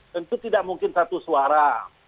tentu tidak mungkin satu suara